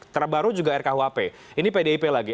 terbaru juga rkuhp ini pdip lagi